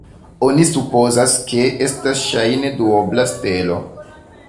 Oni supozas, ke estas ŝajne duobla stelo.